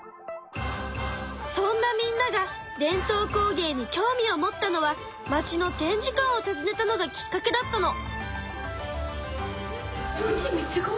そんなみんなが伝統工芸に興味を持ったのは町の展示館をたずねたのがきっかけだったの。